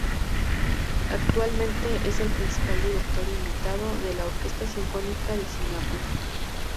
Actualmente es el principal director invitado de la Orquesta Sinfónica de Singapur.